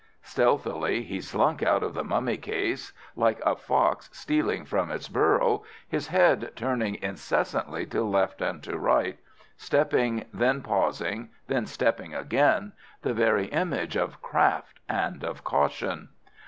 Stealthily he slunk out of the mummy case, like a fox stealing from its burrow, his head turning incessantly to left and to right, stepping, then pausing, then stepping again, the very image of craft and of caution.